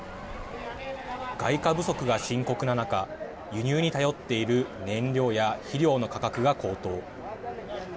外貨不足が深刻な中輸入に頼っている燃料や肥料の価格が高騰。